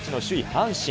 阪神。